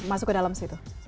masuk ke dalam situ